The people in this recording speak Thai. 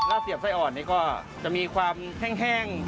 เสียบไส้อ่อนนี่ก็จะมีความแห้ง